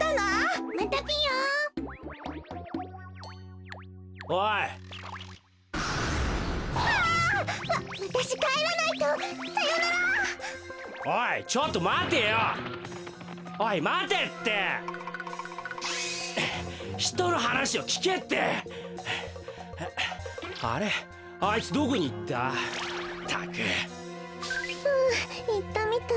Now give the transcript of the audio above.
ふういったみたい。